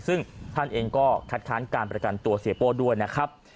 ซึ่งท่านเองก็คัดค้านการประกันตัวเสียโป้ด้วยนะครับ